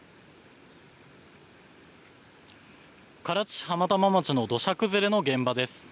唐津市浜玉町の土砂崩れの現場です。